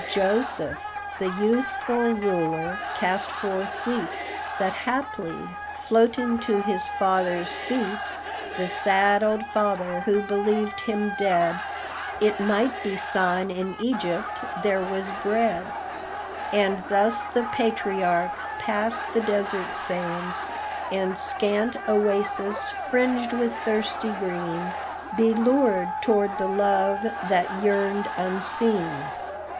Joseph, the youthful ruler, cast forth wheat, That haply, floating to his father's feet, The sad old father, who believed him dead, It might be sign in Egypt there was bread; And thus the patriarch, past the desert sands And scant oasis fringed with thirsty green, Be lured toward the love that yearned unseen.